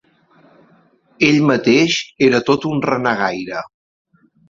Ell mateix era tot un renegaire.